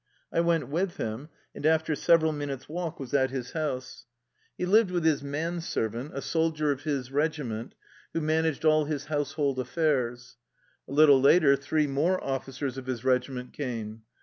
I went with him, and after several minutes' walk was at his house. He lived with his man servant, a soldier of his regi ment, who managed all his household affairs. A little later three more officers of his regiment came.